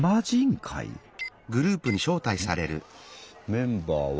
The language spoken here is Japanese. メンバーは。